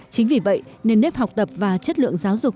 chính vì vậy nền nếp học tập và chất lượng giáo dục